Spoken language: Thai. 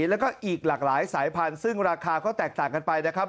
แล้วก็อีกหลากหลายสายพันธุ์ซึ่งราคาก็แตกต่างกันไปนะครับ